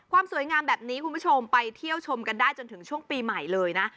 สวยงามแบบนี้คุณผู้ชมไปเที่ยวชมกันได้จนถึงช่วงปีใหม่เลยนะ